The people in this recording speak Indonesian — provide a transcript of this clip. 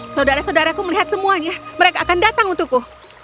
saudara saudaraku melihat semuanya mereka akan datang untukku